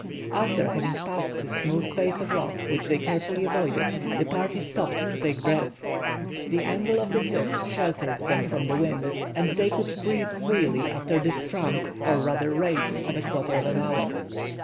After having passed the smooth face of rock, which they carefully avoided, the party stopped to take breath. The angle of the cliff sheltered them from the wind, and they could breathe freely after this tramp, or rather race, of a quarter of an hour.